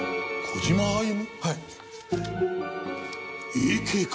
Ａ．Ｋか！